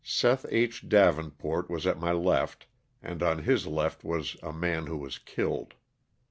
Seth H. Davenport was at my left and on his left was a man who was killed.